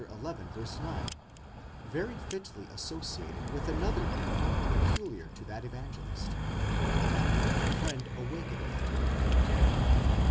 9, very fitly associated with another parable peculiar to that Evangelist: that of the friend awaked at midnight.